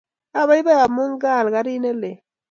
Apaipai amun kaal karit ne lel